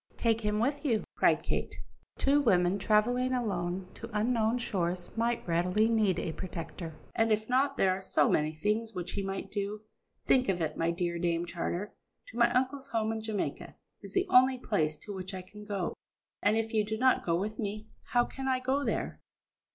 "Take him with you," cried Kate. "Two women travelling to unknown shores might readily need a protector, and if not, there are so many things which he might do. Think of it, my dear Dame Charter; to my uncle's home in Jamaica is the only place to which I can go, and if you do not go with me, how can I go there?"